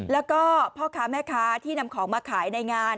แล้วก็พ่อค้าแม่ค้าที่นำของมาขายในงาน